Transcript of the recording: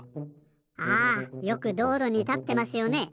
あよくどうろにたってますよね。